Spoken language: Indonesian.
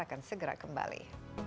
akan segera kembali